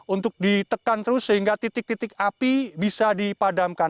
untuk ditekan terus sehingga titik titik api bisa dipadamkan